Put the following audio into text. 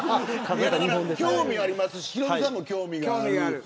興味がありますしヒロミさんも興味がある。